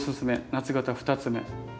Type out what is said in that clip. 夏型２つ目。